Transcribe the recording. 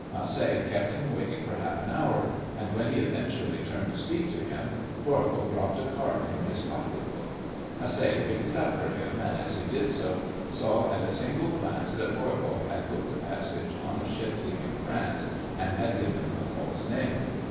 Macé kept him waiting for half an hour, and when he eventually turned to speak to him Voirbo dropped a card from his pocket book. Macé picked it up for him, and as he did so saw at a single glance that Voirbo had booked a passage on a ship leaving France, and had given a false name.